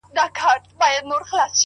ته به د غم يو لوى بيابان سې گرانــــــي؛